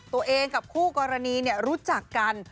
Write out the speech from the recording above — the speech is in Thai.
ตัวเองกับคู่กรณีรู้จักกัน